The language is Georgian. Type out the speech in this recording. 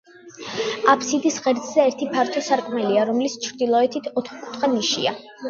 აფსიდის ღერძზე ერთი ფართო სარკმელია, რომლის ჩრდილოეთით ოთხკუთხა ნიშია.